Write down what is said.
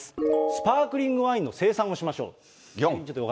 スパークリングワインの生産をしましょう。